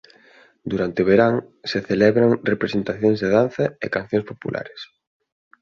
Durante o Verán se celebran representacións de danza e cancións populares.